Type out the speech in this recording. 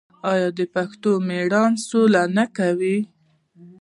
آیا پښتون په میړانه سوله نه کوي؟